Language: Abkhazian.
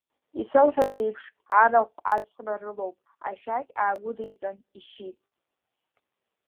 Исылҳәаз еиԥш, арахә ацә-ӷра рылоуп, ашәақь аагәыдиҵан ишьит.